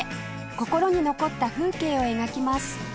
心に残った風景を描きます